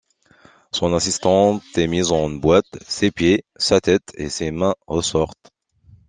Son assistante est mise en boîte, ses pieds, sa tête et ses mains ressortent.